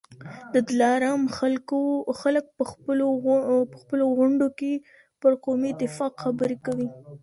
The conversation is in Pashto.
د دلارام خلک په خپلو غونډو کي پر قومي اتفاق خبرې کوي.